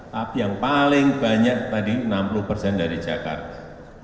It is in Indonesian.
tapi yang paling banyak tadi enam puluh persen dari jakarta